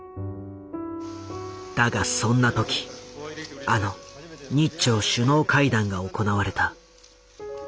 だがそんな時あの日朝首脳会談が行われた。